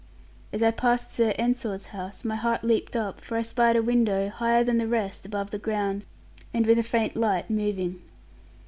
As I passed Sir Ensor's house, my heart leaped up, for I spied a window, higher than the rest above the ground, and with a faint light moving.